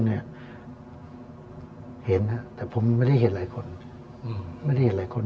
เห็นแต่ผมไม่ได้เห็นหลายคน